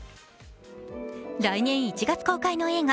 来年１月公開の映画